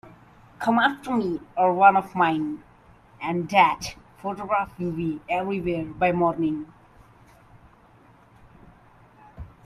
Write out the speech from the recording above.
Come after me or one of mine, and that photograph will be everywhere by morning.